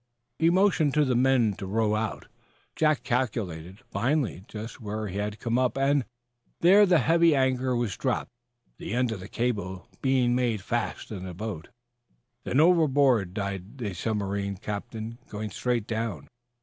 He motioned to the men to row out. Jack calculated, finely, just where he had come up, and there the heavy anchor was dropped, the end of the cable being made fast in the boat. Then overboard dived the submarine captain, going straight down.